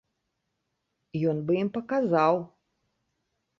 Ён бы ім паказаў!